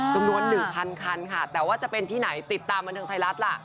จำนวน๑๐๐คันค่ะแต่ว่าจะเป็นที่ไหนติดตามบันเทิงไทยรัฐล่ะ